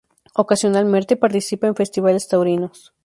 Ocasionalmente participa en festivales taurinos.